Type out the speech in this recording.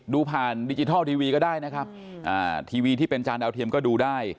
ดูผ่านดิจิทัลทีวีก็ได้นะครับทีวีที่เป็นจานดาวเทียมก็ดูได้